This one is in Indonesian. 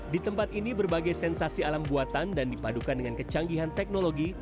di tempat ini berbagai sensasi alam buatan dan dipadukan dengan kecanggihan teknologi